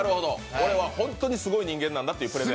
これは本当にすごい人間なんだというプレゼン。